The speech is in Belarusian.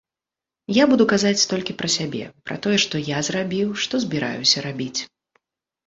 Я буду казаць толькі пра сябе, пра тое, што я зрабіў, што збіраюся рабіць.